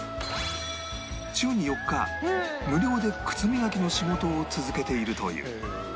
週に４日無料で靴磨きの仕事を続けているという